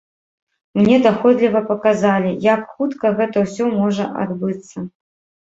Мне даходліва паказалі, як хутка гэта ўсё можа адбыцца.